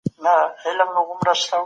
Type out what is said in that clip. همدا زموږ هدف دی.